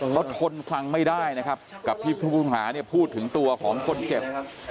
เขาทนฟังไม่ได้นะครับกับพี่พุทธคุณภาพูดถึงตัวของคนเจ็บ